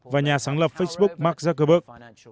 và nhà sáng lập facebook mark zuckerberg